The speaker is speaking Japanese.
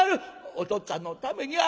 おとっつぁんのためにあ